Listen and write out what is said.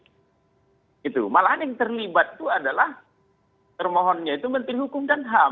gitu malahan yang terlibat itu adalah termohonnya itu menteri hukum dan ham